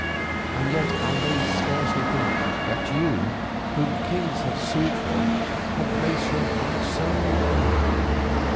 And yet I may scarcely think that you whom kings have sued for can place your heart so low.